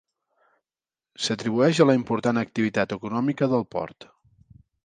S'atribueix a la important activitat econòmica del port.